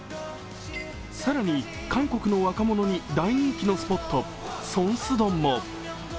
更に、韓国の若者に大人気のスポット、ソンスドンも。